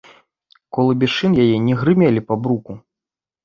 Колы без шын яе не грымелі па бруку.